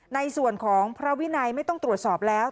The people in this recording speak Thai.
ในส่วนของพระวินัยไม่ต้องตรวจสอบแล้ว